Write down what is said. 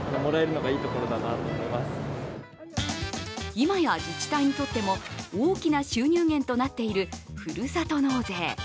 今や、自治体にとっても大きな収入源となっているふるさと納税。